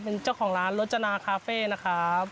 เป็นเจ้าของร้านรจนาคาเฟ่นะครับ